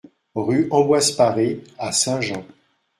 RUE AMBROISE PARE à Saint-Jean